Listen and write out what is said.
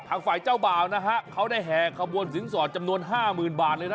ฝ่ายเจ้าบ่าวนะฮะเขาได้แห่ขบวนสินสอดจำนวนห้าหมื่นบาทเลยนะ